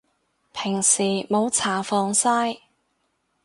平時冇搽防曬